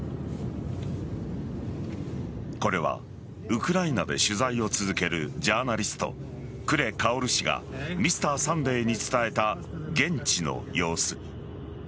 これはウクライナで取材を続けるジャーナリストクレ・カオル氏が「Ｍｒ．サンデー」に伝えた現地の様子。